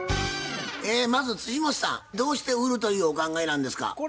まず本さんどうして売るというお考えなんですか？